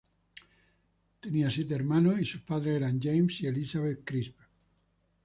Tenía siete hermanos, y sus padres eran James y Elizabeth Crisp.